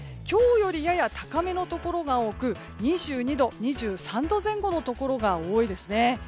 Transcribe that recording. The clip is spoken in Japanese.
今日よりやや高めのところが多く２２度、２３度前後のところが多いですね。